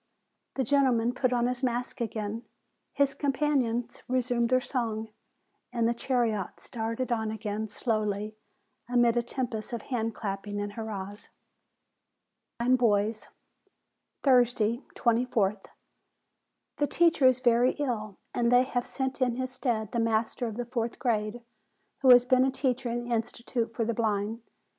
The gentleman put on his mask again, his companions re THE BLIND BOYS 153 sumed their song, and the chariot started on again slowly, amid a tempest of hand clapping and hurrahs. THE BLIND BOYS Thursday, 24th. The teacher is very ill, and they have sent in his stead the master of the fourth grade, who has been a teacher in the Institute for the Blind.